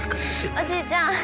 おじいちゃん